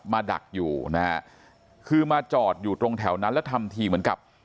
ดักอยู่นะฮะคือมาจอดอยู่ตรงแถวนั้นแล้วทำทีเหมือนกับ